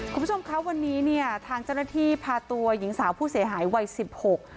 คุณผู้ชมคะวันนี้เนี่ยทางเจ้าหน้าที่พาตัวหญิงสาวผู้เสียหายวัยสิบหก